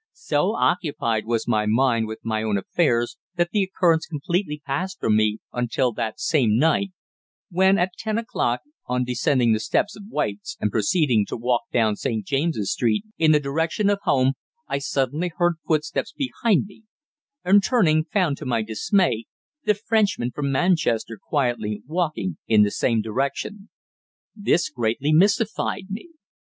So occupied was my mind with my own affairs that the occurrence completely passed from me until that same night, when, at ten o'clock, on descending the steps of White's and proceeding to walk down St. James's Street in the direction of home, I suddenly heard footsteps behind me, and, turning, found, to my dismay, the Frenchman from Manchester quietly walking in the same direction. This greatly mystified me.